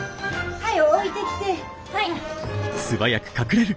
はい。